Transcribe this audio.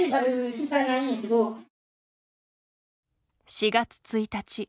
４月１日。